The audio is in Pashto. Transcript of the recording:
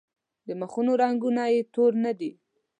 د مخونو رنګونه یې تور نه دي.